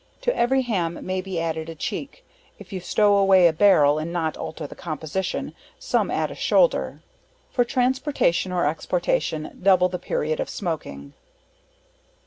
To every ham may be added a cheek, if you stow away a barrel and not alter the composition, some add a shoulder. For transportation or exportation, double the period of smoaking.